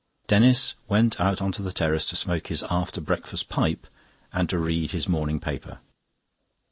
Denis went out on to the terrace to smoke his after breakfast pipe and to read his morning paper.